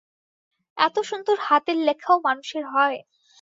এত সুন্দর হাতের লেখাও মানুষের হয়!